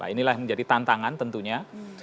inilah yang menjadi tantangan tentunya